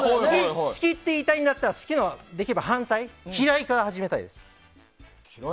好きって言いたいなら好きの反対嫌いから始めたいです。